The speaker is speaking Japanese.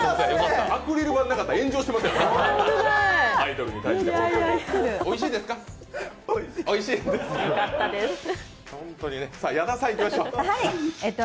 アクリル板なかったら炎上してますよ、アイドルに対して。